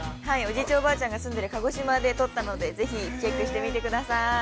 おじいちゃん、おばあちゃんが住んでいる鹿児島で撮ったので、ぜひチェックしてみてください。